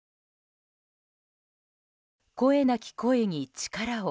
声なき声に力を。